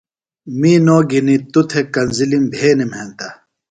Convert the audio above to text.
می نو گِھنیۡ توۡ تھےۡ کنزِلِم بھینِم ہنتہ۔